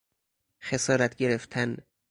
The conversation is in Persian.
خسارات گرفتن